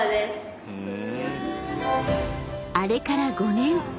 ［あれから５年。